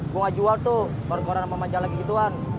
gue ga jual tuh baru koran sama majalah lagi gituan